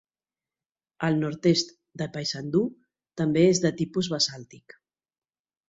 El nord-est de Paysandú també és de tipus basàltic.